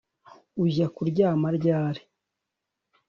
ujya kuryama ryari